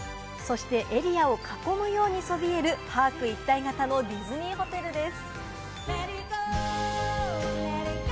そしてエリアを囲むようにそびえるパーク一体型のディズニーホテルです。